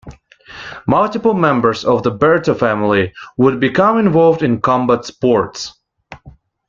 Multiple members of the Berto family would become involved in combat sports.